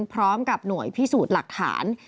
พร้อมกับหน่วยพิสูจน์หลักฐาน